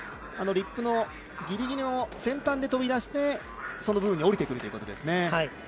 リップのギリギリの先端でとび出してその部分に降りてくるということですね。